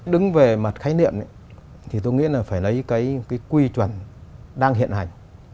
đứng về mặt khái niệm thì tôi nghĩ là phải lấy cái quy chuẩn đang hiện hành